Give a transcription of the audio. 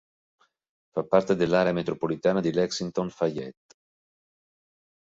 Fa parte dell'area metropolitana di Lexington-Fayette.